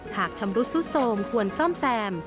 ชำรุดซุดโทรมควรซ่อมแซม